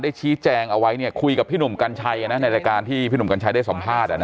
ชี้แจงเอาไว้เนี่ยคุยกับพี่หนุ่มกัญชัยในรายการที่พี่หนุ่มกัญชัยได้สัมภาษณ์